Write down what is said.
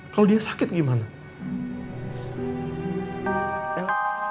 kalau dia sakit gimana